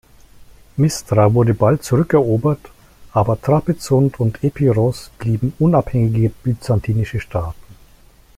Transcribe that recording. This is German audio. Mistra wurde bald zurückerobert, aber Trapezunt und Epiros blieben unabhängige byzantinische Staaten.